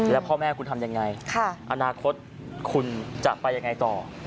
แล้วพ่อแม่คุณทำยังไงอนาคตคุณจะไปยังไงต่อ